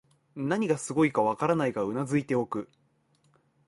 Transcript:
何がすごいかわからないが頷いておく